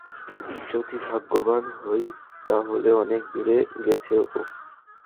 যদি ভাগ্যবান হই, তাহলে অনেক দূরে গেছে ও।